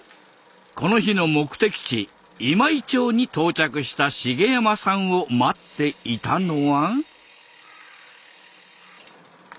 この日の目的地今井町に到着した茂山さんを待っていたのは。